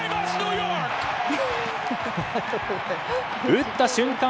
打った瞬間